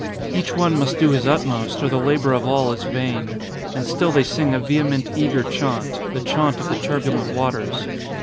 Each one must do his utmost or the labour of all is vain. And still they sing a vehement, eager chaunt, the chaunt of the turbulent waters.